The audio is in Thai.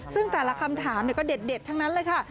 ซึ่งแต่ละคำถามก็เด็ดทั้งนั้นเลยค่ะ